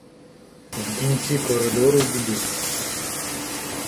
В кінці коридору дідусь